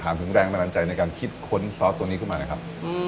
ถึงแรงบันดาลใจในการคิดค้นซอสตัวนี้ขึ้นมานะครับ